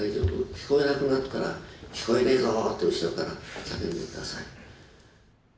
聞こえなくなったら「聞こえねえぞ」って後ろから叫んで下さい。